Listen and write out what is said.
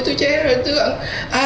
tôi che rồi tôi